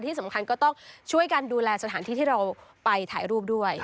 ที่สำคัญก็ต้องช่วยกันดูแลสถานที่ที่เราไปถ่ายรูปด้วย